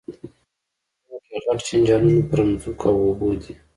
په وطن کي غټ جنجالونه پر مځکو او اوبو دي